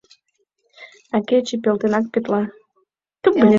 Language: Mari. А кече пелтенак пелта.